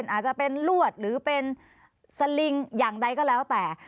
อาจจะเป็นลวดหรือเป็นสลิงอย่างใดก็แล้วแต่